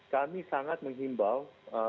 kami sangat menghimbau